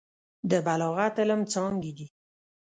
د بلاغت علم څانګې دي.